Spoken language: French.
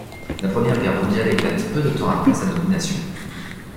La Première Guerre mondiale éclate peu de temps après sa nomination.